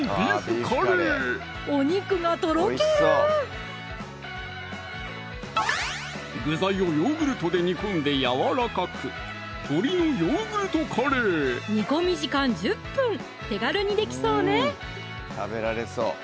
お肉がとろける具材をヨーグルトで煮込んでやわらかく煮込み時間１０分手軽にできそうね！